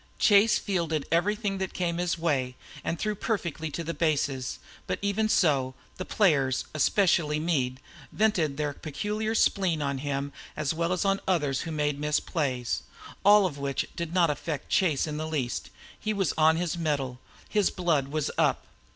Chase fielded everything that came his way and threw perfectly to the bases, but even so, the players, especially Meade, vented their peculiar spleen on him as well as on others who made misplays. All of which did not affect Chase in the least. He was on his mettle; his blood was up.